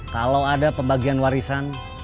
kalau ada pembagian warisan